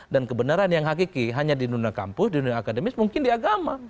dan kebenaran yang hakiki hanya di dunia kampus di dunia akademis mungkin di agama